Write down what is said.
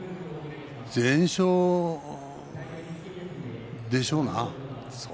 全勝でしょうな。